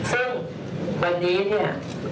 ซึ่งวันนี้เนี่ย